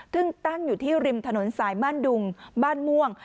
ซึ่งตั้งอยู่ที่ริมถนนสายบ้านดุงบ้านม่วง